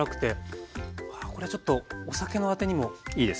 あこれちょっとお酒のあてにも。いいですよね。